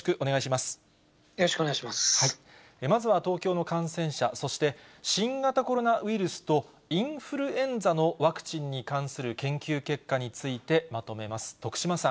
まずは東京の感染者、そして、新型コロナウイルスと、インフルエンザのワクチンに関する研究結果についてまとめます。